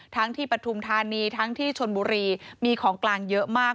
ที่ปฐุมธานีทั้งที่ชนบุรีมีของกลางเยอะมาก